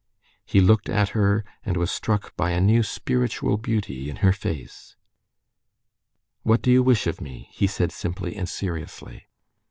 He looked at her and was struck by a new spiritual beauty in her face. "What do you wish of me?" he said simply and seriously.